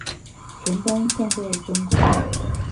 前端算在中國裡